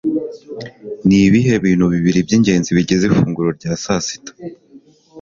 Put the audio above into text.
Nibihe bintu bibiri byingenzi bigize ifunguro rya saa sita?